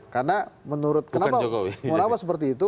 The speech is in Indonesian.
karena menurut kenapa seperti itu